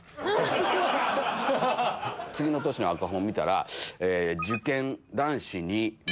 次の年の赤本見たら。